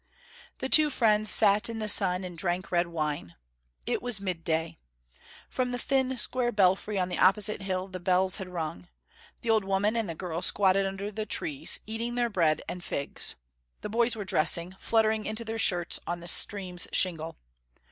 The two friends sat in the sun and drank red wine. It was midday. From the thin, square belfry on the opposite hill the bells had rung. The old women and the girl squatted under the trees, eating their bread and figs. The boys were dressing, fluttering into their shirts on the stream's shingle.